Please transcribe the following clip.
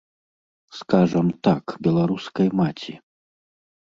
Скажам так, беларускай маці.